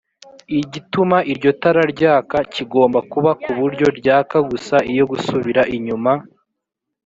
igituma iryo tara ryaka kigomba kuba ku buryo ryaka gusa iyo gusubira inyuma